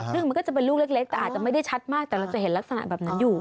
ซึ่งมันก็จะเป็นลูกเล็กแต่อาจจะไม่ได้ชัดมากแต่เราจะเห็นลักษณะแบบนั้นอยู่